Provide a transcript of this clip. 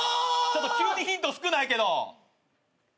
急にヒント少ないけど。